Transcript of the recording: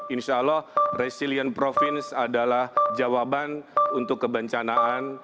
insya allah resilient province adalah jawaban untuk kebencanaan